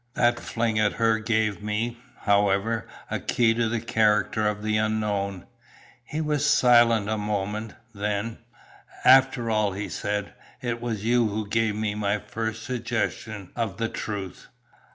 That fling at her gave me, however, a key to the character of the unknown." He was silent a moment, then, "After all," he said, "it was you who gave me my first suggestion of the truth."